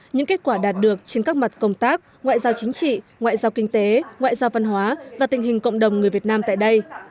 những kết quả đạt được trên các mặt công tác ngoại giao chính trị ngoại giao kinh tế ngoại giao văn hóa và tình hình cộng đồng người việt nam tại đây